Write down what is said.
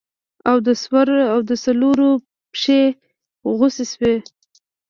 او د څلورو پښې غوڅې سوې.